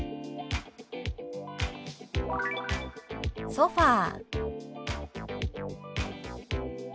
「ソファー」。